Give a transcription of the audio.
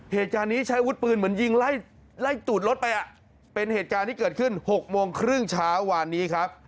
เหตุการณ์นี้ใช้วุฒิปืนเหมือนยิงไล่ตูดรถไปเป็นเหตุการณ์ที่เกิดขึ้น๖โมงครึ่งเช้าวานนี้ครับ